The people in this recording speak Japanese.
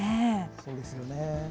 そうですよね。